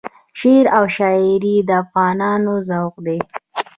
شعر او شایري د افغانانو ذوق دی.